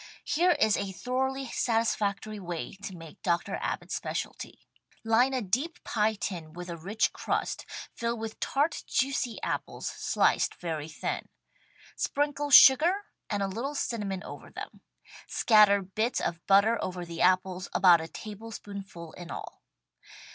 Here is a thoroughly satisfactory way to make Dr. Abbott's specialty: Line a deep pie tin with a rich crust, fill with tart, juicy apples sliced very thin. Sprinkle sugar and a little cinnamon over them. Scatter bits of butter over the apples, about a tablespoonful in all.